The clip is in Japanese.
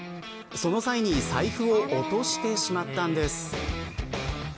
その際に財布を落としてしまったんです。